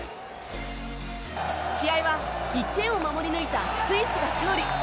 試合は１点を守り抜いたスイスが勝利。